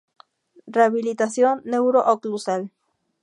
Rehabilitación Neuro-Oclusal.